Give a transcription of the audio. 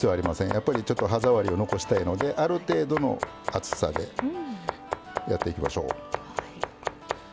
やっぱり歯触りを残したいのである程度の厚さでやっていきましょう。